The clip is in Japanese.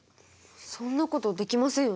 そんなことできませんよね？